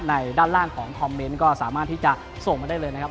ด้านล่างของคอมเมนต์ก็สามารถที่จะส่งมาได้เลยนะครับ